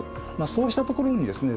そうしたところにですね